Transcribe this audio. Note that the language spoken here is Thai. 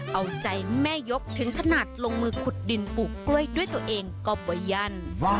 เอาใจแม่ยกถึงขนาดลงมือขุดดินปลูกกล้วยด้วยตัวเองก็ประยัน